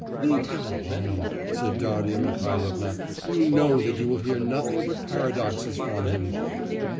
'Leave him alone!' said Darya Mihailovna, 'you know that you will hear nothing but paradoxes from him.